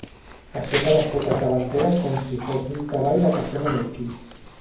Aixeca les potes davanteres com si fos un cavall de caixer menorquí.